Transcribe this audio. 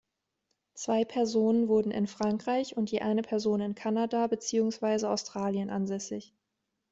Zwei Personen wurden in Frankreich und je eine Person in Kanada beziehungsweise Australien ansässig.